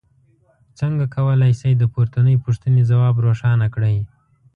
څنګه کولی شئ د پورتنۍ پوښتنې ځواب روښانه کړئ.